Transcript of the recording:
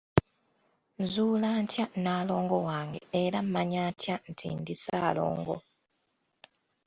Nzuula ntya Nnaalongo wange era mmanya ntya nti ndi Ssaalongo?